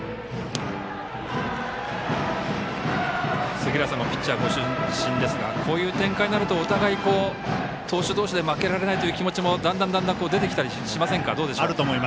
杉浦さんもピッチャーご出身ですがこういう展開になるとお互い投手同士で負けられないという気持ちもだんだん出てきたりしませんか？